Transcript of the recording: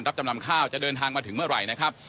รับจำนำข้าวจะเดินทางมาถึงเมื่อไหร่นะครับ